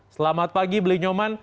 selamat pagi beli nyoman